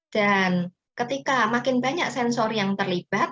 dan ketika makin banyak sensory yang terlibat